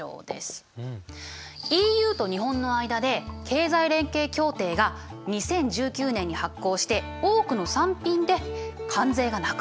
ＥＵと日本の間で経済連携協定が２０１９年に発行して多くの産品で関税がなくなったの。